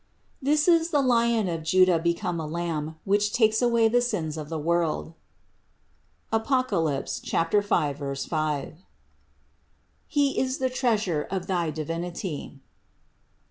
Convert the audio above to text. This is the Lion of Juda become a Lamb, which takes away the sins of the world (Apoc. 5, 5). He is the treasure of thy Divinity."